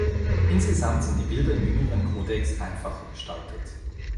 Insgesamt sind die Bilder im jüngeren Codex einfacher gestaltet.